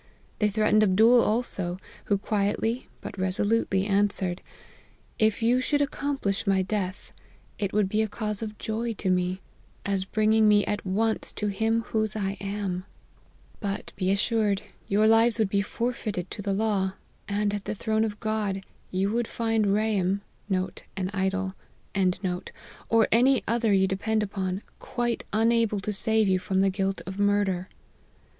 They threaten ed Abdool also, who quietly, but resolutely an swered, ' If you should accomplish my death, it would be a cause of joy to me, as bringing me at once to Him whose I am ; but, be assured, your APPENDIX. 233 lives would be forfeited to the law, and at the throne of God, you would find Raim,* or any other you depend upon, quite unable to save you from the guilt of murder.'